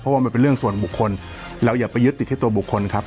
เพราะว่ามันเป็นเรื่องส่วนบุคคลเราอย่าไปยึดติดที่ตัวบุคคลครับ